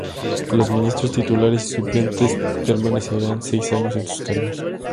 Los ministros titulares y suplentes permanecerán seis años en sus cargos.